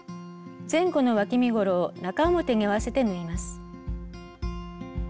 前後のわき身ごろを中表に合わせて縫います。